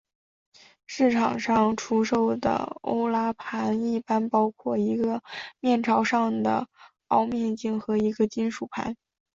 现在市场上出售的欧拉盘一般包括一个面朝上的凹面镜和一个金属盘。